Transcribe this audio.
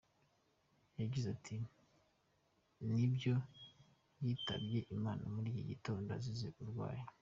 Yagize ati “Nibyo yitabye Imana muri iki gitondo azize uburwayi.